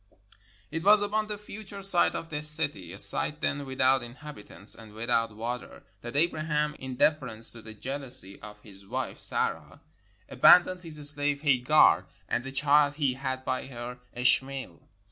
It was upon the future site of this city — a site then without inhabitants and without water — that Abra ham, in deference to the jealousy of his wife, Sarah, 488 THE LEGEND OF THE ARABS abandoned his slave Hagar and the child he had by her, Ishmael.